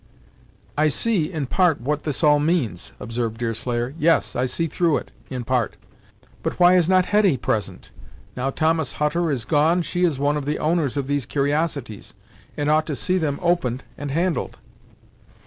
"I see, in part, what all this means," observed Deerslayer "yes, I see through it, in part. But why is not Hetty present? Now Thomas Hutter is gone, she is one of the owners of these cur'osities, and ought to see them opened and handled."